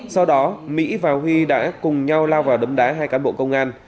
sau đó mỹ và huy đã cùng nhau lao vào đấm đá hai cán bộ công an